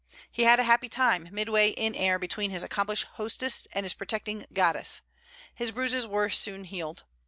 He had a happy time, midway in air between his accomplished hostess and his protecting Goddess. His bruises were soon healed.